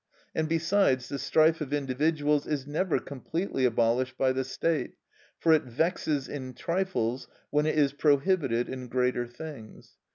And besides, the strife of individuals is never completely abolished by the state, for it vexes in trifles when it is prohibited in greater things.